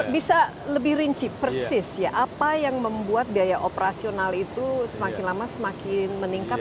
bisa lebih rinci persis ya apa yang membuat biaya operasional itu semakin lama semakin meningkat